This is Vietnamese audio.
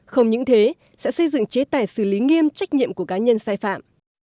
không những thế sẽ xây dựng chế tài xử lý nghiêm trách nhiệm của cá nhân sai phạm